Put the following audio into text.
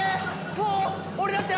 もう俺だって。